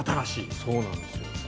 そうなんですよね。